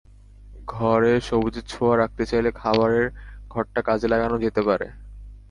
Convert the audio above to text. ঘরে সবুজের ছোঁয়া রাখতে চাইলে খাবারের ঘরটা কাজে লাগানো যেতে পারে।